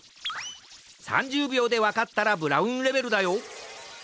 ３０びょうでわかったらブラウンレベルだよ。